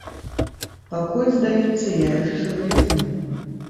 Пакуль, здаецца, я яшчэ выязны.